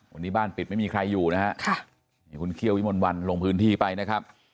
วันนี้บ้านปิดไม่มีใครอยู่นะฮะค่ะนี่คุณเคี่ยววิมลวันลงพื้นที่ไปนะครับ